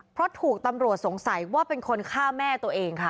เพราะถูกตำรวจสงสัยว่าเป็นคนฆ่าแม่ตัวเองค่ะ